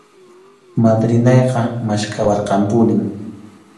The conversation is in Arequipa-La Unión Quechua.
Madrinayqa maskhawarqanpunim.